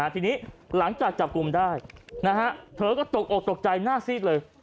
ทีนี้หลังจากจับกลุ่มได้เธอก็ตกอกตกใจหน้าซีดเลย